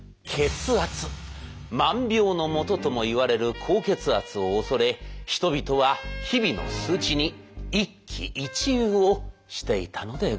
「万病のもと」ともいわれる高血圧を恐れ人々は日々の数値に一喜一憂をしていたのでございます。